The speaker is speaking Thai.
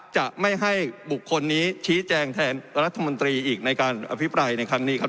จะไม่ให้บุคคลนี้ชี้แจงแทนรัฐมนตรีอีกในการอภิปรายในครั้งนี้ครับ